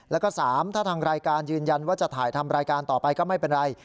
แล้วก็๓ถ้าทางรายการยืนยันว่าจะถ่ายทำรายการต่อไปก็ไม่เป็นไร